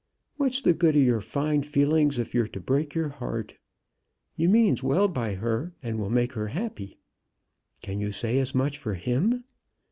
What's the good o' your fine feelings if you're to break your heart. You means well by her, and will make her happy. Can you say as much for him?